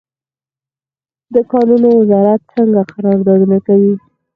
د کانونو وزارت څنګه قراردادونه کوي؟